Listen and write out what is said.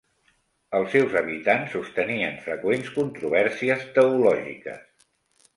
Els seus habitants sostenien freqüents controvèrsies teològiques.